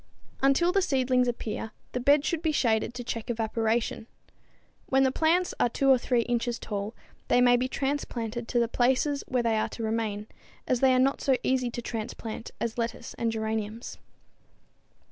Until the seedlings appear, the bed should be shaded to check evaporation. When the plants are 2 or 3 inches tall they may be transplanted to the places where they are to remain, as they are not so easy to transplant as lettuce and geraniums.